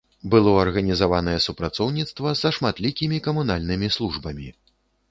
Было арганізаванае супрацоўніцтва са шматлікімі камунальнымі службамі.